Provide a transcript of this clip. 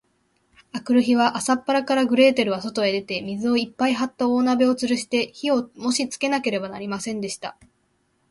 あくる日は、朝っぱらから、グレーテルはそとへ出て、水をいっぱいはった大鍋をつるして、火をもしつけなければなりませんでした。